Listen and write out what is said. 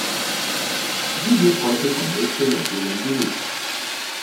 Sie wird heute von Mädchen und Jungen besucht.